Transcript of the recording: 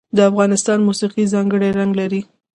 د افغانستان موسیقي ځانګړی رنګ لري.